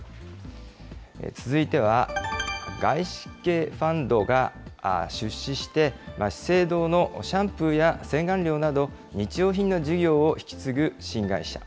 続いては外資系ファンドが出資して、資生堂のシャンプーや洗顔料など、日用品の事業を引き継ぐ新会社。